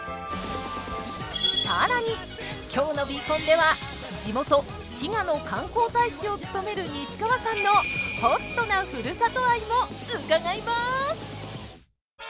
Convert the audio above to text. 更に今日の「Ｂコン」では地元滋賀の観光大使を務める西川さんのＨＯＴなふるさと愛も伺います！